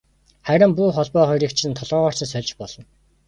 Харин буу холбоо хоёрыг чинь толгойгоор чинь сольж болно.